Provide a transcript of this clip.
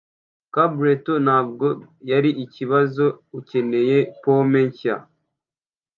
carburetor ntabwo yari ikibazo. ukeneye pompe nshya